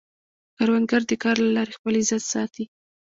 کروندګر د کار له لارې خپل عزت ساتي